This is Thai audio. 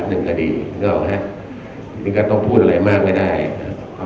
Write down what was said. หนึ่งคดีก็เอานะฮะมีก็ต้องพูดอะไรมากไม่ได้นะฮะ